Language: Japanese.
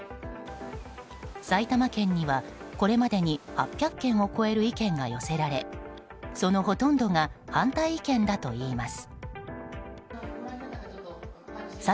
埼玉県にはこれまでに８００件を超える意見が寄せられそのほとんどが反対意見だといいます。